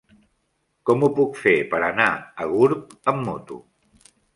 Com ho puc fer per anar a Gurb amb moto?